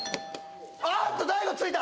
あっと大悟ついた！